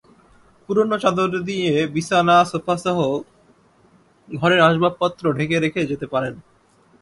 পুরোনো চাদর দিয়ে বিছানা, সোফাসহ ঘরের আসবাব ঢেকে রেখে যেতে পারেন।